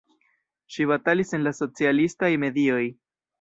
Ŝi batalis en la socialistaj medioj.